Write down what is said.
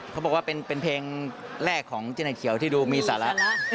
เพราะว่าเป็นเพลงแรกของเจเน็ตเขียวที่มีสาระ